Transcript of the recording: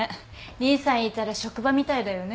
兄さんいたら職場みたいだよね。